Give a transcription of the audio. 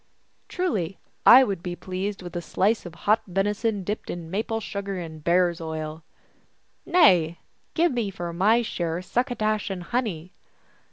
" Truly, I would be pleased with a slice of hot veni son dipped in maple sugar and bear s oil." " Nay, give me for my share succotash and honey."